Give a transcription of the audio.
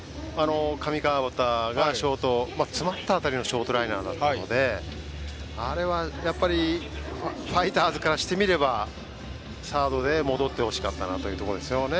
上川畑がショート詰まった当たりのショートライナーだったのであれはファイターズからすればサードで戻ってほしかったというところでしょうね。